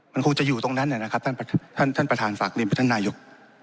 มันคงจะอยู่ตรงนั้นนะครับท่านประธานฝากเรียนไปท่านนายก